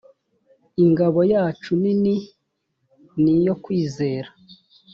ingabo yacu nini ni iyo kwizera